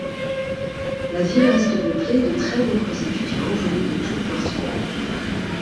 La ville reste peuplée de très nombreux étudiants venus de tout le Portugal.